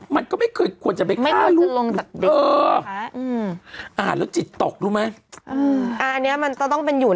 มันก็ไม่ควรจะไปฆ่าลูก